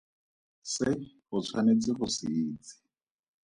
Se o tshwanetseng go se itse!